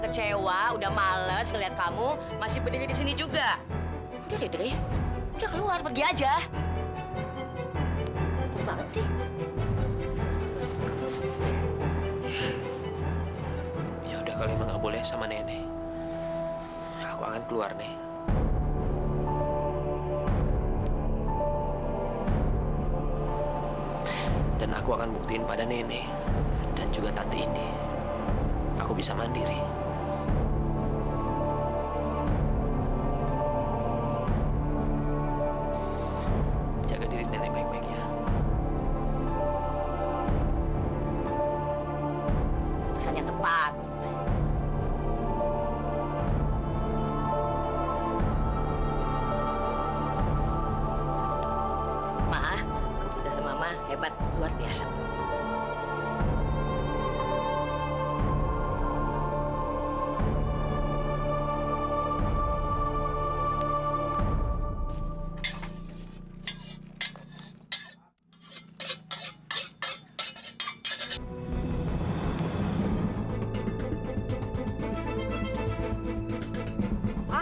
sampai jumpa di video selanjutnya